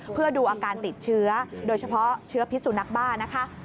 เพื่อดูอาการติดเชื้อโดยเฉพาะเชื้อพิสุนักบ้านะคะ